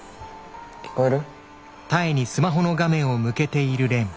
聞こえる？